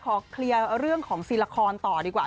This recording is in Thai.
ขอเคลียร์เรื่องของซีละครต่อดีกว่า